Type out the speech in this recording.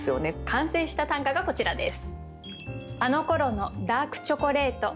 完成した短歌がこちらです。